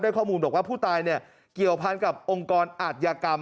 ข้อมูลบอกว่าผู้ตายเนี่ยเกี่ยวพันกับองค์กรอาทยากรรม